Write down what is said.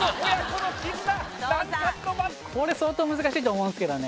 難関のこれ相当難しいと思うんですけどね